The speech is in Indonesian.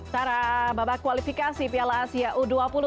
taraaa babak kualifikasi piala asia u dua puluh dua ribu dua puluh tiga